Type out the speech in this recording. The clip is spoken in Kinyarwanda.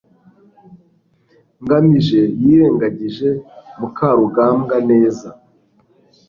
ngamije yirengagije mukarugambwa neza